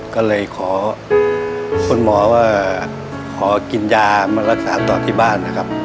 ก็เลยขอคุณหมอว่าขอกินยามารักษาต่อที่บ้านนะครับ